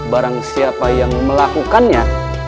barang siapa yang melakukannya